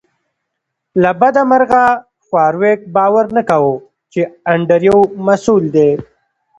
له بده مرغه فارویک باور نه کاوه چې انډریو مسؤل دی